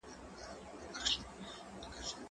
زه کولای سم چپنه پاک کړم